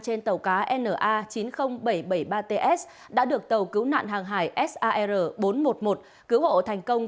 trên tàu cá na chín mươi nghìn bảy trăm bảy mươi ba ts đã được tàu cứu nạn hàng hải sar bốn trăm một mươi một cứu hộ thành công